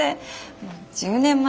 もう１０年前だし。